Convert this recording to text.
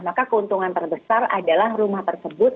maka keuntungan terbesar adalah rumah tersebut